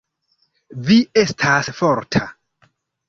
Vi estas forta.